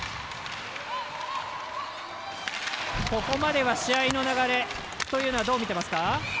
ここまでは試合の流れというのはどう見てますか。